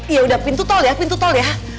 iya udah pintu tol ya pintu tol ya